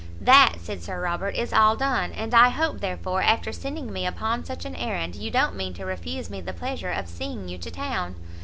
"That," said Sir Robert, "is all done; and I hope, therefore, after sending me upon such an errand, you don't mean to refuse me the pleasure of seeing you to town?"